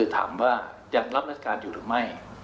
ถามว่ายังรับราชการอยู่หรือไม่